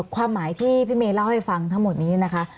ความหมายที่พี่เมย์เล่าให้ฟังทั้งหมดนี้นะคะ